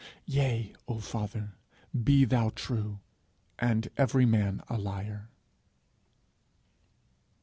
Yea, O father, be thou true, and every man a liar!'